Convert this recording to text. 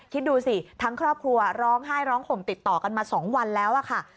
คิดดูสิทั้งครอบครัวร้องไห้ร้องห่มติดต่อกันมา๒วันแล้วค่ะ